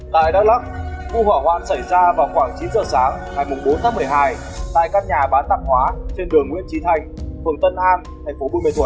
tại đắk lắk vụ hỏa hoan xảy ra vào khoảng chín h sáng